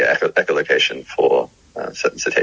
dan juga ekologi untuk masalah cetacean